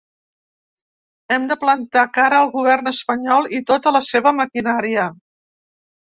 Hem de plantar cara al govern espanyol i tota la seva maquinària.